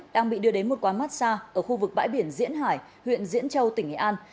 đang bị đưa đến một quán massage ở khu vực bãi biển diễn hải huyện diễn châu tỉnh nghệ an